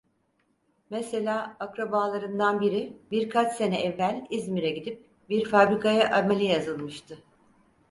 Mesela, akrabalarından biri, birkaç sene evvel İzmir'e gidip bir fabrikaya amele yazılmıştı.